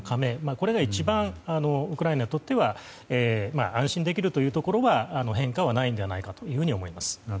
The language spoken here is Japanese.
これが一番ウクライナにとっては安心できるということは変化はないのではないかと思います。